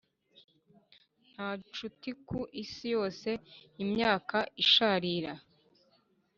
nta nshuti ku isi yose. imyaka isharira